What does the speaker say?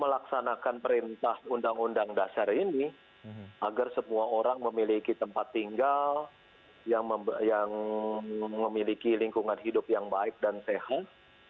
melaksanakan perintah undang undang dasar ini agar semua orang memiliki tempat tinggal yang memiliki lingkungan hidup yang baik dan sehat